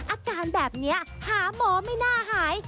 อาการแบบนี้หาหมอไม่น่าหาย